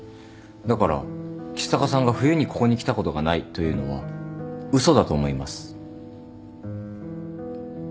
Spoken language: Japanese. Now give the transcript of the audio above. だから橘高さんが冬にここに来たことがないというのは嘘だと思います。